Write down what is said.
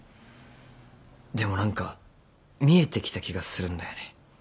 でも何か見えてきた気がするんだよね。